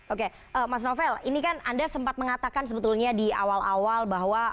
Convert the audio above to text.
oke mas novel ini kan anda sempat mengatakan sebetulnya di awal awal bahwa